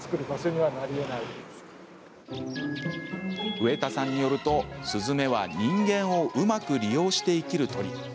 植田さんによると、スズメは人間をうまく利用して生きる鳥。